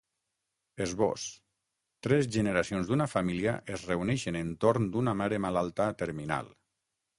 Esbós: Tres generacions d’una família es reuneixen entorn d’una mare malalta terminal.